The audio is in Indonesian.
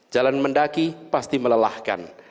jalan mendaki pasti melelahkan